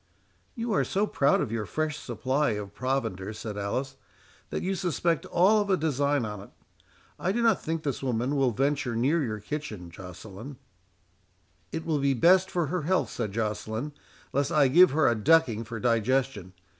"You are so proud of your fresh supply of provender," said Alice, "that you suspect all of a design on't. I do not think this woman will venture near your kitchen, Joceline." "It will be best for her health," said Joceline, "lest I give her a ducking for digestion.